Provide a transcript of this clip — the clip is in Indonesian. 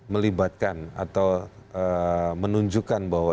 melibatkan atau menunjukkan bahwa